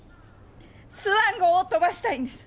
スワン号を飛ばしたいんです！